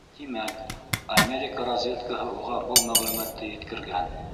Тимәк, Америка разведкаһы уға был мәғлүмәтте еткергән.